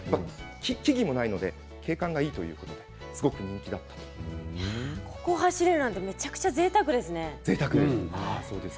木々がないので景観がいいということでここを走れるのはめちゃくちゃ、ぜいたくですね。